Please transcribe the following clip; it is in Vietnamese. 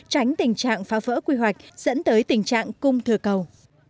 tránh tình trạng phá vỡ quy hoạch dẫn tới tình trạng cung thừa cầu